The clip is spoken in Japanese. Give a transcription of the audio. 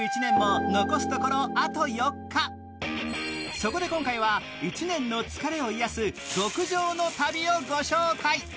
そこで今回は１年の疲れを癒やす極上の旅をご紹介。